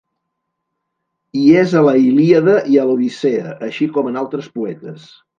Hi és a la Ilíada i a l'Odissea, així com en altres poetes.